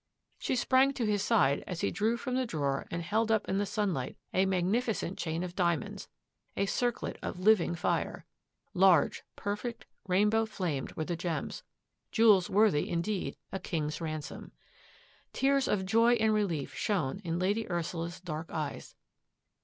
" She sprang to his side as he drew from the drawer and held up in the sunlight a magnificent chain of diamonds — a circlet of living fire. Large, perfect, rainbow flamed were the gems — jewels worthy indeed a king's ransom. Tears of joy and relief shone in Lady Ursula's dark eyes.